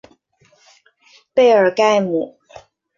贝尔盖姆。